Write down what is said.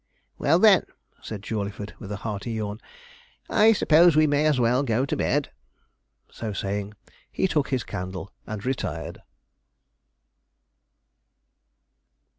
'Well, then,' said Jawleyford, with a hearty yawn, 'I suppose we may as well go to bed.' So saying, he took his candle and retired.